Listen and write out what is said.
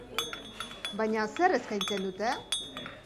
Baina zer eskaintzen dute?